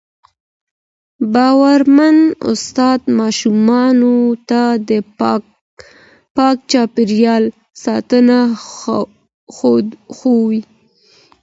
باورمن استاد ماشومانو ته د پاک چاپېریال ساتل ښووي.